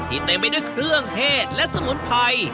เต็มไปด้วยเครื่องเทศและสมุนไพร